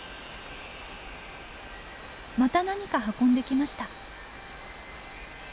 また何か運んできました。